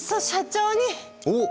おっ！